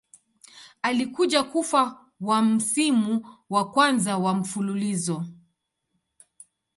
Alikuja kufa wa msimu wa kwanza wa mfululizo.